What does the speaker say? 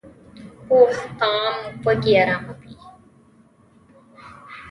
پوخ طعام وږې اراموي